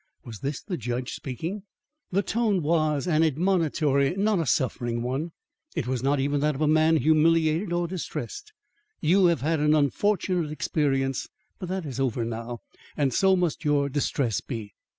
Was this the judge speaking? The tone was an admonitory, not a suffering one. It was not even that of a man humiliated or distressed. "You have had an unfortunate experience, but that is over now and so must your distress be."